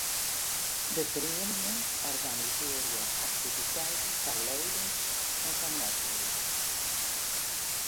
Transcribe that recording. De ferieningen organisearje aktiviteiten foar leden en foar net-leden.